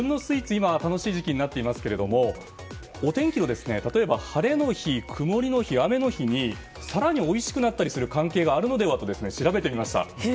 今、楽しい時期になっていますがお天気を例えば晴れの日、曇りの日、雨の日に更においしくなったりする関係があるのではと調べてみました。